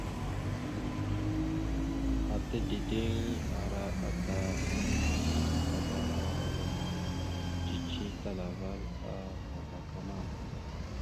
Ata dideŋ ara ata ammaŋ akabara rommaŋ cici talaval a madakama.